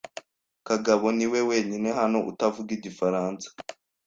Kagabo niwe wenyine hano utavuga igifaransa.